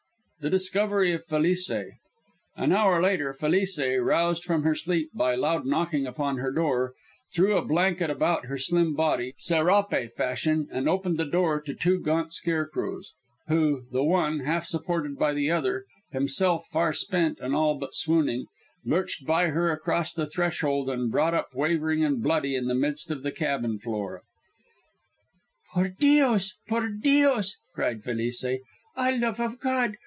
THE DISCOVERY OF FELICE An hour later, Felice, roused from her sleep by loud knocking upon her door, threw a blanket about her slim body, serape fashion, and opened the cabin to two gaunt scarecrows, who, the one, half supported by the other, himself far spent and all but swooning, lurched by her across the threshold and brought up wavering and bloody in the midst of the cabin floor. "Por Dios! Por Dios!" cried Felice. "Ah, love of God!